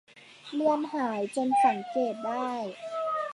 เลือนหายจนสังเกตได้